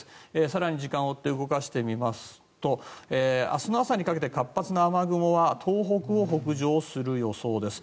更に時間を追って動かしてみますと明日の朝にかけて活発な雨雲は東北を北上する予想です。